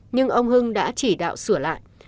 nhưng ông hưng đã chỉ đạo sửa lại